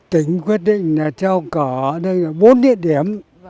tỉnh quyết định là treo cờ bốn địa điểm